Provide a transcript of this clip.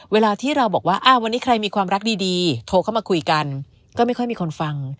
เวลาที่เราบอกว่าวันนี้ใครมีความรักดีโทรเข้ามาคุยกันก็ไม่ค่อยมีคนฟัง